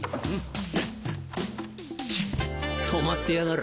チッ止まってやがる。